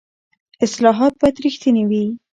اصلاحات باید رښتیني وي